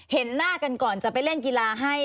เห็นหน้ากันก่อนจะไปเล่นกีฬาให้